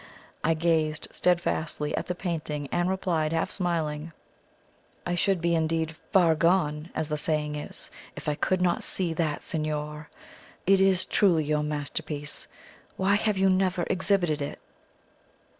I gazed steadfastly at the painting, and replied, half smiling: "I should be indeed 'far gone,' as the saying is, if I could not see that, signor! It is truly your masterpiece. Why have you never exhibited it?"